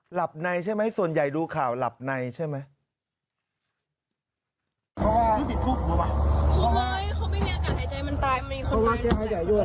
หลับในใช่ไหมส่วนใหญ่ดูข่าวหลับในใช่ไหม